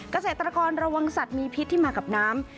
เกษตรกรระวังสัตว์มีพิษที่มากับน้ำ